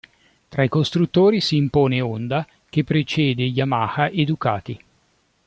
Tra i costruttori si impone Honda che precede Yamaha e Ducati.